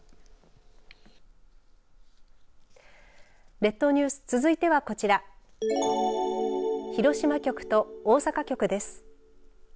列島ニュース、続いてはこちら広島局と大阪局です。